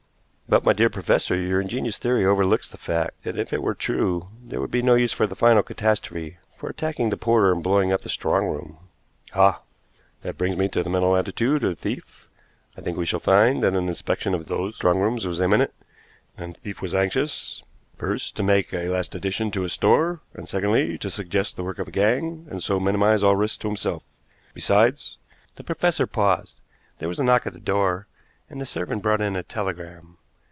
"But, my dear professor, your ingenious theory overlooks the fact that, if it were true, there would be no use for the final catastrophe for attacking the porter and blowing up the strong room." "Ah! that brings me to the mental attitude of the thief. I think we shall find that an inspection of those strong rooms was imminent, and the thief was anxious, first, to make a last addition to his store, and, secondly, to suggest the work of a gang, and so minimize all risk to himself. Besides " The professor paused. There was a knock at the door, and the servant brought in a telegram.